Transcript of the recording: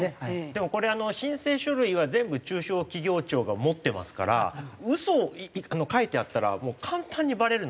でもこれ申請書類は全部中小企業庁が持ってますから嘘を書いてあったら簡単にバレるので。